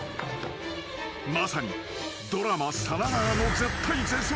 ［まさにドラマさながらの絶体絶命］